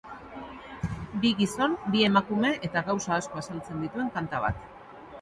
Bi gizon, bi emakume eta gauza asko azaltzen dituen kanta bat.